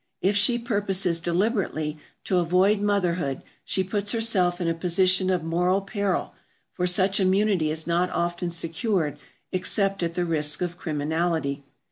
If she purposes deliberately to avoid motherhood she puts herself in a position of moral peril, for such immunity is not often secured except at the risk of criminality.